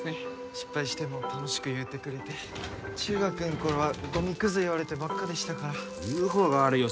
失敗しても「楽しく」言うてくれて中学ん頃はゴミクズ言われてばっかでしたから言うほうが悪いよ